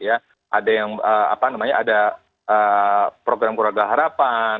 ada yang apa namanya ada program keluarga harapan